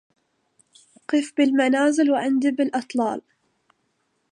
قف بالمنازل واندب الأطلالا